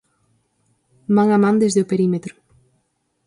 Man a man desde o perímetro.